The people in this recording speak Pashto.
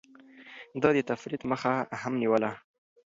ده د تفريط مخه هم نيوله.